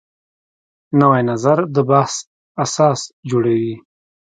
نوی نظر د بحث اساس جوړوي